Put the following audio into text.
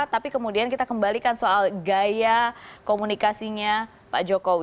tapi kemudian kita kembalikan soal gaya komunikasinya pak jokowi